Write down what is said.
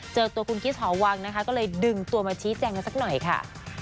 เจอตัวคุณคิสหอวังนะคะก็เลยดึงตัวมาชี้แจงกันสักหน่อยค่ะ